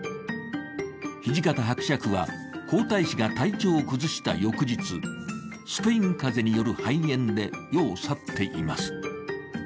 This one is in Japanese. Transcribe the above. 土方伯爵は皇太子が体調を崩した翌日、スペイン風邪による肺炎で世を去っています。